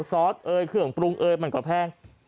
ซอสเอยเครื่องปรุงเอยมันก็แพง